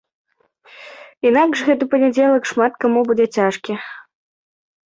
Інакш гэты панядзелак шмат каму будзе цяжкі.